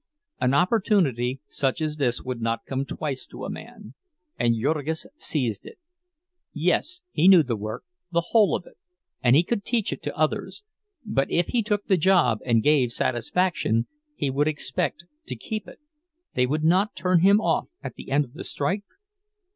An opportunity such as this would not come twice to a man; and Jurgis seized it. Yes, he knew the work, the whole of it, and he could teach it to others. But if he took the job and gave satisfaction he would expect to keep it—they would not turn him off at the end of the strike?